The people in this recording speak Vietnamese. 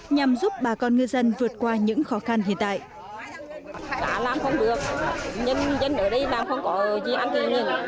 nhằm giúp bà con ngư dân vượt qua những khó khăn hiện tại